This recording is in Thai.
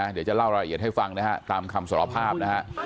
เดี๋ยวจะเล่ารายละเอียดให้ฟังนะฮะตามคำสารภาพนะฮะ